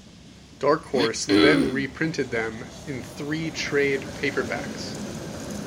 Dark Horse then reprinted them in three trade paperbacks.